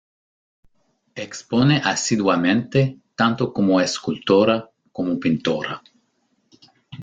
Expone asiduamente, tanto como escultora, como pintora.